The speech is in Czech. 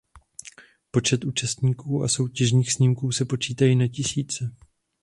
Počty účastníků a soutěžních snímků se počítají na tisíce.